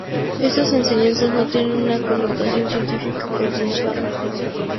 Estas enseñanzas no tienen una connotación científica consensuada.